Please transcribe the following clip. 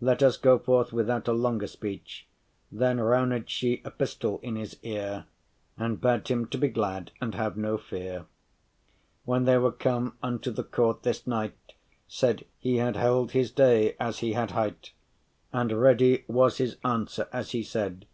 Let us go forth withoute longer speech Then *rowned she a pistel* in his ear, *she whispered a secret* And bade him to be glad, and have no fear. When they were come unto the court, this knight Said, he had held his day, as he had hight,* *promised And ready was his answer, as he said.